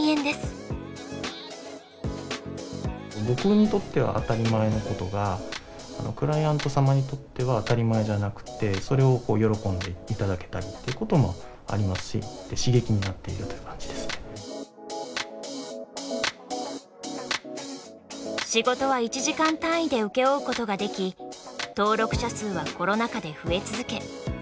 僕にとっては当たり前のことがクライアント様にとっては当たり前じゃなくてそれを喜んでいただけたりってこともありますし仕事は１時間単位で請け負うことができ登録者数はコロナ禍で増え続け